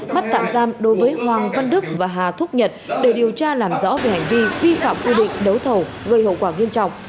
bắt tạm giam đối với hoàng văn đức và hà thúc nhật để điều tra làm rõ về hành vi vi phạm quy định đấu thầu gây hậu quả nghiêm trọng